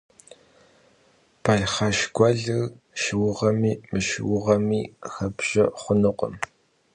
Балхаш гуэлыр шыугъэми мышыугъэми хэббжэ хъунукъым.